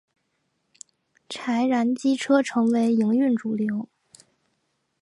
柴液机车成为营运主流。